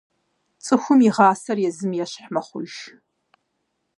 ЦӀыхум игъасэр езым ещхь мэхъуж.